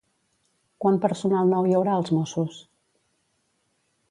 Quant personal nou hi haurà als Mossos?